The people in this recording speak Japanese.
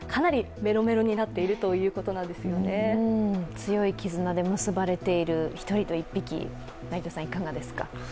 強い絆で結ばれて１人と１匹、いかがですか？